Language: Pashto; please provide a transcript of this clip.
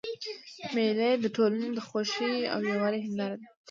مېلې د ټولني د خوښۍ او یووالي هنداره ده.